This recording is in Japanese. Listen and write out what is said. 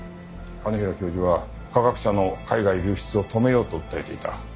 兼平教授は科学者の海外流出を止めようと訴えていた。